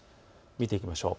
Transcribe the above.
見ていきましょう。